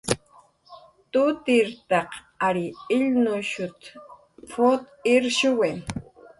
"Tutirtaq ary illnushut"" p""ut irshuwi"